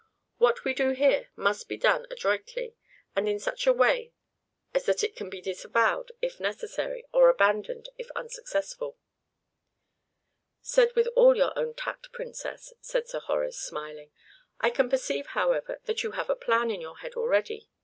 "What we do here must be done adroitly, and in such a way as that it can be disavowed if necessary, or abandoned if unsuccessful." "Said with all your own tact, Princess," said Sir Horace, smiling. "I can perceive, however, that you have a plan in your head already.